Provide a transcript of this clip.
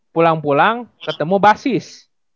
pulang pulang ketemu basis